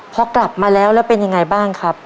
พอกลับมาแล้วแล้วเป็นยังไงบ้างครับ